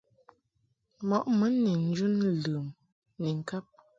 Mɔʼ mun ni njun ləm ni ŋkab .